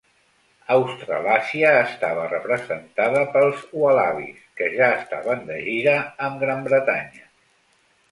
Australàsia estava representada pels Ualabis, que ja estaven de gira amb Gran Bretanya.